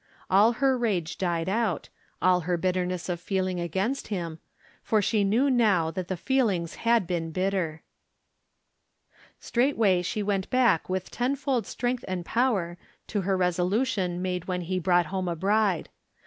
All her rage died out, all her bitterness of feeling against him, for she knew now that the feelings had been bitter. 202 From Different Standpoints. Straightway slie went back with tenfold strength and power to her resolution made when he brought home a bride.